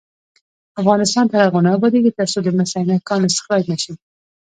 افغانستان تر هغو نه ابادیږي، ترڅو د مس عینک کان استخراج نشي.